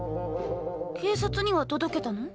警察には届けたの？